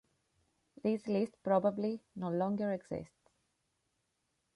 This list probably no longer exists.